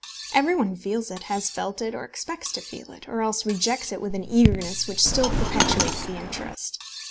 Every one feels it, has felt it, or expects to feel it, or else rejects it with an eagerness which still perpetuates the interest.